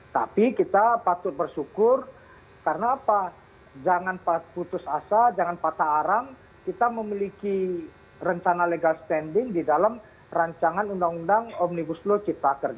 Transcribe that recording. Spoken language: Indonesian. tapi kita patut bersyukur karena apa jangan putus asa jangan patah arang kita memiliki rencana legal standing di dalam rancangan undang undang omnibus law cipta kerja